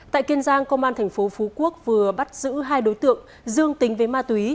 tại kiên giang công an thành phố phú quốc vừa bắt giữ hai đối tượng dương tính với ma túy